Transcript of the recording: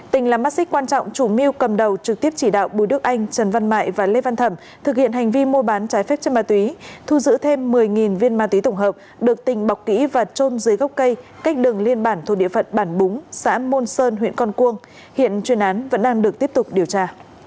tình là mắt xích quan trọng chủ mưu cầm đầu trực tiếp chỉ đạo bùi đức anh trần văn mại và lê văn thẩm thực hiện hành vi mua bán trái phép chân ma túy thu giữ thêm một mươi viên ma túy tổng hợp được tình bọc kỹ và trôn dưới gốc cây cách đường liên bản thuộc địa phận bản búng xã môn sơn huyện con cuông hiện chuyên án vẫn đang được tiếp tục điều tra